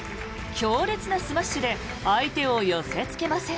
強烈なスマッシュで相手を寄せつけません。